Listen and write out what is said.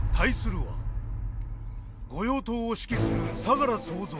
御用盗を指揮する相楽総三。